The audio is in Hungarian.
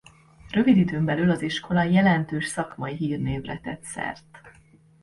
Rövid időn belül az iskola jelentős szakmai hírnévre tett szert.